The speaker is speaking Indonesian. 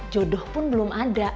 jodoh pun belum ada